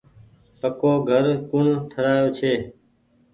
پڪو گھر ڪوڻ ٺرآيو ڇي۔